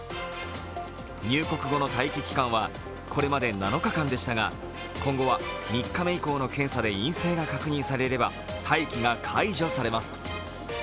入国後の待機期間はこれまで７日間でしたが今後は３日目以降の検査で陰性が確認されれば待機が解除されます。